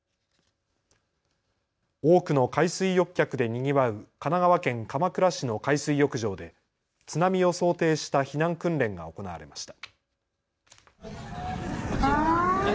多くの海水浴客でにぎわう神奈川県鎌倉市の海水浴場で津波を想定した避難訓練が行われました。